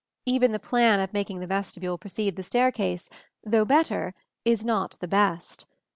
Even the plan of making the vestibule precede the staircase, though better, is not the best.